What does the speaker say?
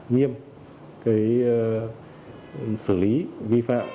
nghiêm xử lý vi phạm